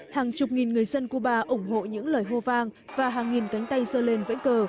hàng chục nghìn người dân cuba ủng hộ những lời hô vang và hàng nghìn cánh tay dơ lên vẫy cờ